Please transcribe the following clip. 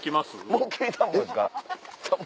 もうきりたんぽですか？